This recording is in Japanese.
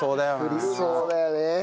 振りそうだよね。